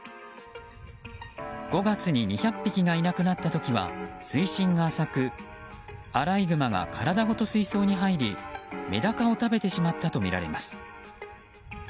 ５月に２００匹がいなくなった時は、水深が浅くアライグマが体ごと水槽に入りメダカを食べてしまったとみられます。